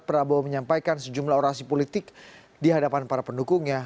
prabowo menyampaikan sejumlah orasi politik di hadapan para pendukungnya